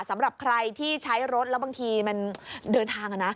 สำหรับใครที่ใช้รถแล้วบางทีมันเดินทาง